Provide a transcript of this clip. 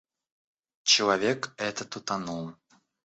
Человек этот утонул.